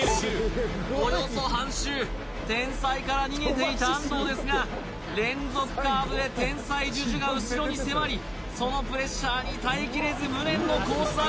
およそ半周天才から逃げていた安藤ですが連続カーブで天才・Ｊｕｊｕが後ろに迫りそのプレッシャーに耐えきれず無念のコース